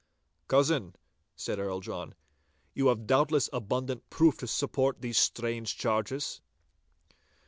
'Cousin,' said Earl John, 'you have doubtless abundant proof to support these strange charges?